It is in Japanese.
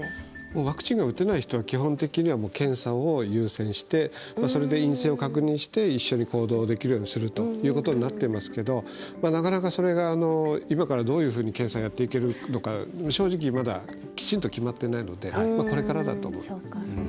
ワクチンが打てない人は基本的には検査を優先してそれで陰性を確認して一緒に行動できるようにするとなっていますけれどもなかなか、それが今からどういうふうに検査やっていけるのか正直まだきちんと決まっていないのでこれからだと思います。